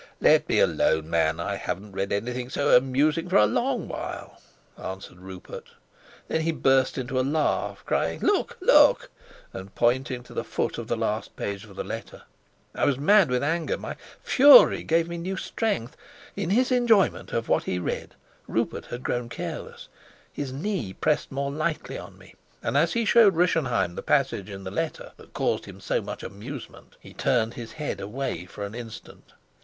"Let me alone, man. I haven't read anything so amusing for a long while," answered Rupert. Then he burst into a laugh, crying, "Look, look!" and pointing to the foot of the last page of the letter. I was mad with anger; my fury gave me new strength. In his enjoyment of what he read Rupert had grown careless; his knee pressed more lightly on me, and as he showed Rischenheim the passage in the letter that caused him so much amusement he turned his head away for an instant.